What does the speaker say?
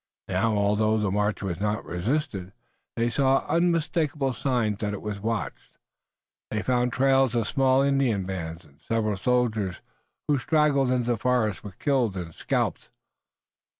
Now, although the march was not resisted, they saw unmistakable signs that it was watched. They found trails of small Indian bands and several soldiers who straggled into the forest were killed and scalped.